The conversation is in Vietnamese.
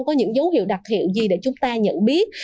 có những dấu hiệu đặc hiệu gì để chúng ta nhận biết